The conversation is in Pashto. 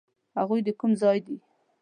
هغوی د کوم ځای دي؟